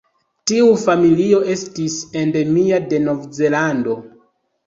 Tiu familio estis endemia de Novzelando.